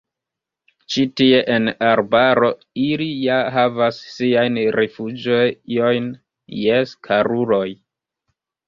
Ĉi tie, en arbaro, ili ja havas siajn rifuĝejojn, jes, karuloj.